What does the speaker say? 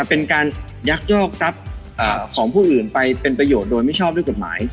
เป็นการยักยอกทรัพย์ของผู้อื่นไปเป็นประโยชน์โดยไม่ชอบด้วยกฎหมาย